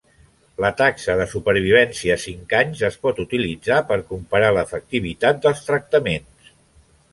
La taxa de supervivència a cinc anys es pot utilitzar per comparar l'efectivitat dels tractaments.